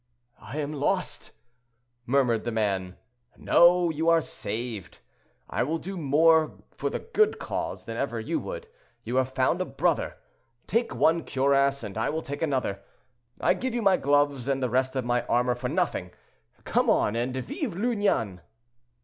"I am lost!" murmured the man. "No; you are saved. I will do more for the good cause than ever you would; you have found a brother. Take one cuirass, and I will take another; I give you my gloves and the rest of my armor for nothing. Come on, and Vive l'Union!"